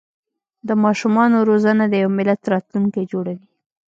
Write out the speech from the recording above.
د ماشومانو روزنه د یو ملت راتلونکی جوړوي.